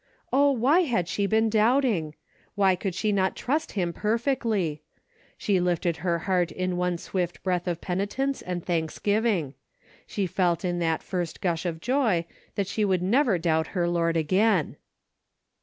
Oh, why had she been doubting ? Why could she not trust him perfectly ? She lifted her heart in one swift breath of peni tence and thanksgiving. She felt in that first gush of joy that she would never doubt her Lord again.